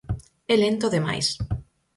É lento de máis.